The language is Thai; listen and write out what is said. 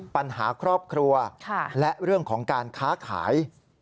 ปัญหาครอบครัวและเรื่องของการค้าขาย